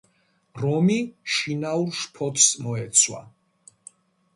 რომი შინაურ შფოთს მოეცვა.